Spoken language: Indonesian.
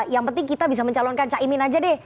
yang penting kita bisa mencalonkan caimin aja deh